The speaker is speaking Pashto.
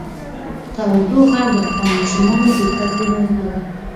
تودوخه د افغان ماشومانو د زده کړې موضوع ده.